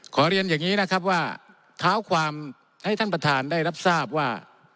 เรียนอย่างนี้นะครับว่าเท้าความให้ท่านประธานได้รับทราบว่า